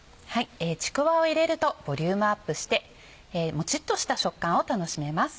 ちくわを入れるとボリュームアップしてもちっとした食感を楽しめます。